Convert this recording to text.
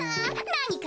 なにか？